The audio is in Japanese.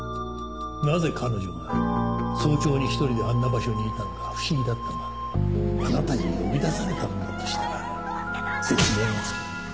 なぜ彼女が早朝に一人であんな場所にいたのか不思議だったがあなたに呼び出されたのだとしたら説明がつく。